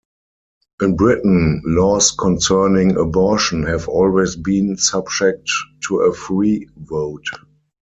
In Britain, laws concerning abortion have always been subject to a free vote.